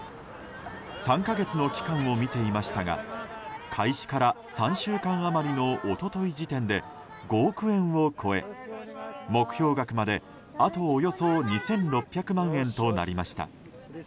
３か月の期間をみていましたが開始から３週間余りの一昨日時点で５億円を超え目標額まで、あとおよそ２６００万円となりました。